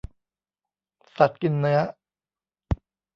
สัตว์กินเนื้อ